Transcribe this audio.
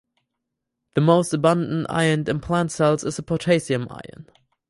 The most abundant ion in plant cells is the potassium ion.